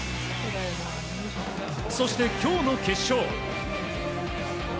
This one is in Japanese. そして今日の決勝。